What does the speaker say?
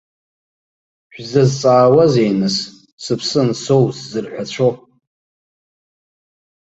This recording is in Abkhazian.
Шәзазҵаауазеи, нас, сыԥсы ансоу, сзырҳәацәо?!